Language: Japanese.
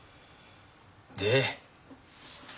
で？